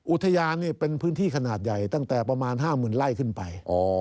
อุทยานเป็นพื้นที่ขนาดใหญ่ตั้งแต่ประมาณ๕๐๐๐ไร่ขึ้นไป